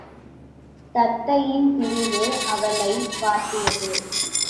தத்தையின் பிரிவு அவளை வாட்டியது.